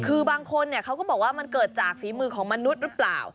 ต้องบอกว่ามันเกิดจากฝีมือของมนุษย์หรือเปล่า